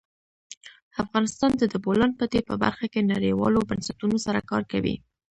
افغانستان د د بولان پټي په برخه کې نړیوالو بنسټونو سره کار کوي.